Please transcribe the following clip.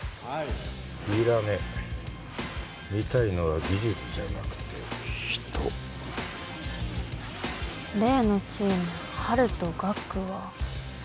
いらね見たいのは技術じゃなくて人例のチームハルとガクは・